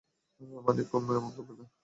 মানিকম, এমন করবে না।